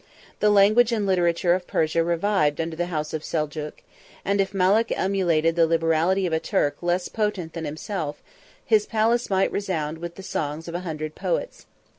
The language and literature of Persia revived under the house of Seljuk; 42 and if Malek emulated the liberality of a Turk less potent than himself, 43 his palace might resound with the songs of a hundred poets.